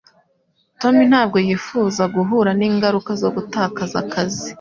Tommy ntabwo yifuzaga guhura n'ingaruka zo gutakaza akazi.